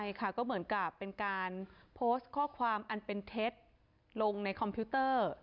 ใช่ค่ะก็เหมือนกับเป็นการโพสต์ข้อความอันเป็นเท็จลงในคอมพิวเตอร์